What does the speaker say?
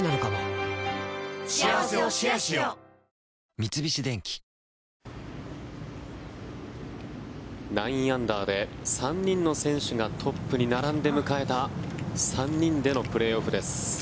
三菱電機９アンダーで３人の選手がトップに並んで迎えた３人でのプレーオフです。